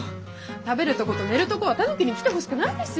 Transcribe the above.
食べるとこと寝るとこはタヌキに来てほしくないですよ！